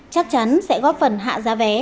chắc chắn sẽ góp phần hạ giá vé